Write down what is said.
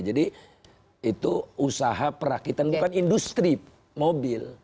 jadi itu usaha perakitan bukan industri mobil